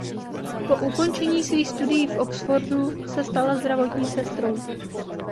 Po ukončení svých studií v Oxfordu se stala zdravotní sestrou.